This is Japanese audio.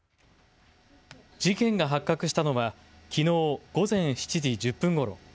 事件が発覚したのはきのう午前７時１０分ごろ。